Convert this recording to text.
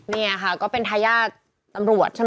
นี่ค่ะก็เป็นทายาทตำรวจ